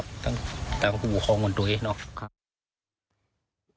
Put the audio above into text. คือสิ่งแบบนี้ต้องบอกว่าเขาเอาชีวิตครอบครัวเขามาแลกเลยนะคะ